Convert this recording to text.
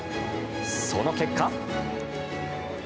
その結果。